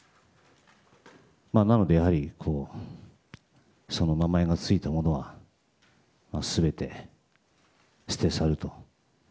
なのでやはりその名前がついたものは全て捨て去る。